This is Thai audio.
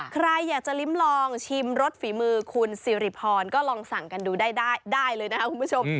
ใครอยากจะลิ้มลองชิมรสฝีมือคุณสิริพรก็ลองสั่งกันดูได้ได้เลยนะครับคุณผู้ชม